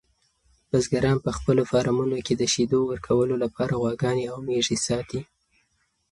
بزګران په خپلو فارمونو کې د شیدو ورکولو لپاره غواګانې او میږې ساتي.